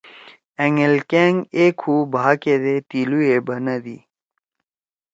أنگیِل کأن اے کُھو بھا کیدے تیِلُو ئے بنَدی۔